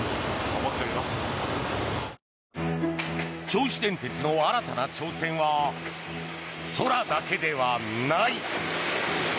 銚子電鉄の新たな挑戦は空だけではない。